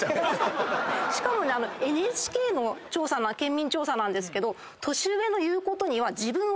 しかもＮＨＫの調査の県民調査なんですけど。